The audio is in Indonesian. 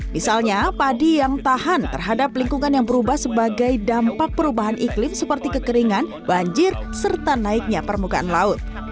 misalnya padi yang tahan terhadap lingkungan yang berubah sebagai dampak perubahan iklim seperti kekeringan banjir serta naiknya permukaan laut